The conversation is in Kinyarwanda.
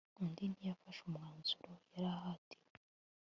undi ntiyafashe umwanzuro yarahatiwe